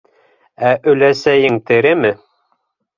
- Ә өләсәйең тереме?